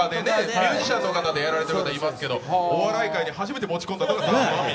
ミュージシャンの方やられてる方いますけど、お笑い界で初めて持ち込んだのがザ・マミィ。